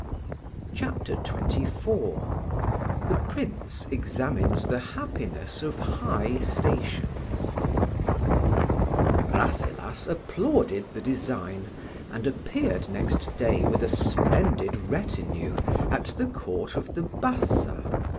CHAPTER XXIV THE PRINCE EXAMINES THE HAPPINESS OF HIGH STATIONS. RASSELAS applauded the design, and appeared next day with a splendid retinue at the Court of the Bassa.